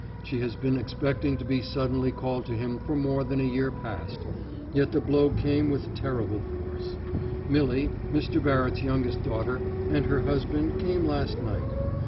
She has been expecting to be suddenly called to him for more than a year past, yet the blow came with terrible force. Milly, Mr. Barrett's youngest daughter, and her husband, came last night....